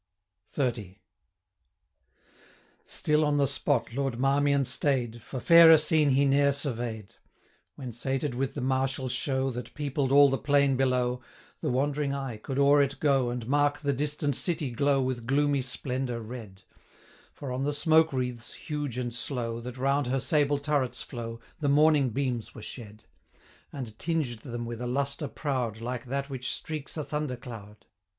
XXX. Still on the spot Lord Marmion stay'd, 600 For fairer scene he ne'er survey'd. When sated with the martial show That peopled all the plain below, The wandering eye could o'er it go, And mark the distant city glow 605 With gloomy splendour red; For on the smoke wreaths, huge and slow, That round her sable turrets flow, The morning beams were shed, And tinged them with a lustre proud, 610 Like that which streaks a thunder cloud.